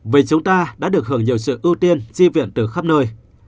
vì chúng ta đã được hưởng nhiều sự ưu tiên chi viện từ khắp nơi